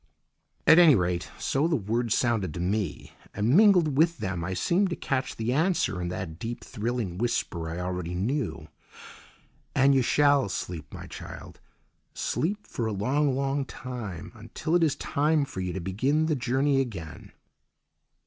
At any rate, so the words sounded to me, and mingled with them I seemed to catch the answer in that deep, thrilling whisper I already knew: "And you shall sleep, my child, sleep for a long, long time, until it is time for you to begin the journey again."